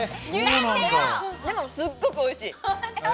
でも、すごくおいしい。